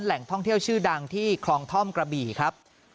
แหล่งท่องเที่ยวชื่อดังที่คลองท่อมกระบี่ครับ